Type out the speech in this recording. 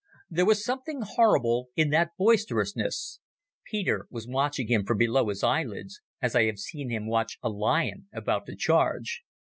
There was something horrible in that boisterousness. Peter was watching him from below his eyelids, as I have seen him watch a lion about to charge.